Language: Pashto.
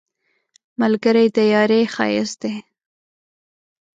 ملګری د یارۍ ښایست دی